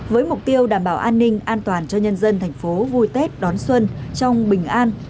với mục tiêu đảm bảo an ninh an toàn cho nhân dân thành phố vui tết đón xuân trong bình an